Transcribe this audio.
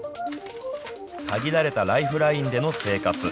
限られたライフラインでの生活。